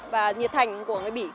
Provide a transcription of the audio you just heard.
và nhiệt thành của người bỉ